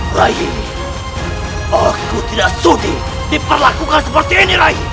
rayi aku tidak sudi diperlakukan seperti ini rayi